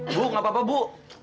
ibu gak apa apa bu